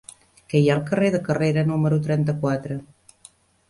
Què hi ha al carrer de Carrera número trenta-quatre?